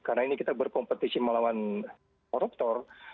karena ini kita berkompetisi melawan koruptor